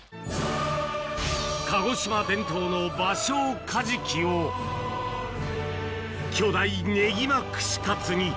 鹿児島伝統のバショウカジキを巨大ねぎま串カツに。